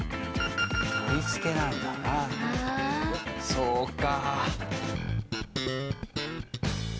そうか。